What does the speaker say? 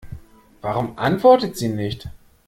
Warum antwortet sie nicht?